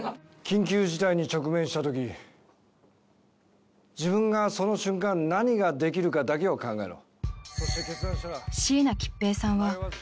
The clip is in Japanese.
緊急事態に直面した時自分がその瞬間何ができるかだけを考えろ。